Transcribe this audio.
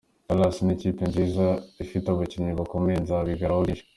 Dallas ni ikipe nziza, ifite abakinnyi bakomeye nzabigiraho byinshi.